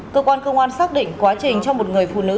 cơ quan công an xác định quá trình cho một người phụ nữ